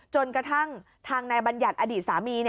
จนกระทั่งทางนายบัญญัติอดีตสามี